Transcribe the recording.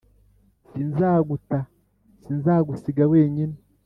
Sinzaguta sinzagusiga wenyine